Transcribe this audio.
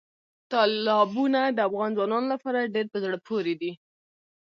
تالابونه د افغان ځوانانو لپاره ډېره په زړه پورې دي.